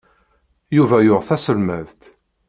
Yuba yuɣ taselmadt.